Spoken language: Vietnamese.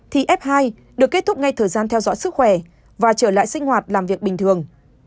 thì f hai được kết thúc ngay thời gian theo dõi sức khỏe và trở lại sinh hoạt làm việc bình thường